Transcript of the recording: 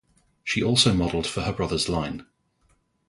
She also modeled for her brother's line.